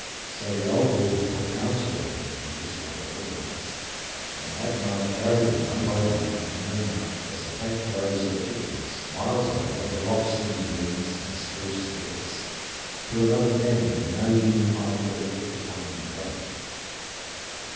So the old wolf took counsel of her fears for her little ones, and that night carried them one by one in her mouth, as a cat carries her kittens, miles away over rocks and ravines and spruce thickets, to another den where no human eye ever looked upon their play.